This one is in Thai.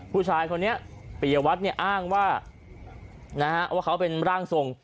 ผู้ชายคนนี้ปริยวัฒน์เนี่ยอ้างว่าเขาเป็นร่างทรง